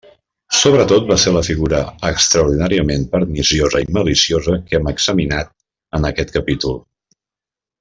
Sobretot va ser la figura extraordinàriament perniciosa i maliciosa que hem examinat en aquest capítol.